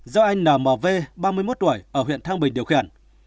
do anh n m v ba mươi một tuổi ở huyện thăng bình điều khiển